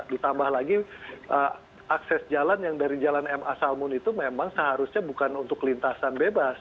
ditambah lagi akses jalan yang dari jalan ma salmun itu memang seharusnya bukan untuk lintasan bebas